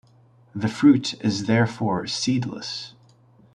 The fruit is therefore seedless.